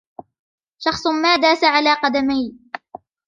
شخص ما داس على قدمي.